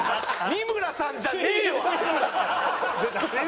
三村さんじゃねえわ！